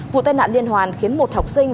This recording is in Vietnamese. vụ tai nạn liên hoàn khiến một học sinh